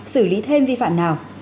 xử lý thêm vi phạm nào